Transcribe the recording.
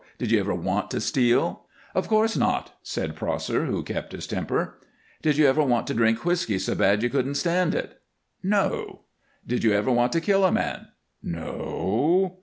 Did you ever want to steal?" "Of course not," said Prosser, who kept his temper. "Did you ever want to drink whisky so bad you couldn't stand it?" "No." "Did you ever want to kill a man?" "No."